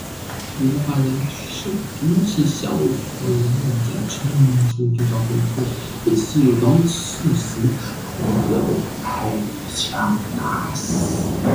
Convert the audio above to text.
无法忍受毒气效果的人们在冲出地道口之后被刺刀刺死或者被开枪打死。